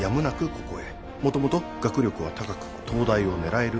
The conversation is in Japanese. ここへ元々学力は高く東大を狙える